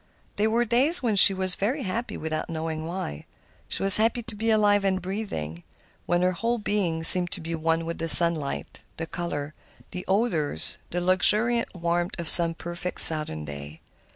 There were days when she was very happy without knowing why. She was happy to be alive and breathing, when her whole being seemed to be one with the sunlight, the color, the odors, the luxuriant warmth of some perfect Southern day.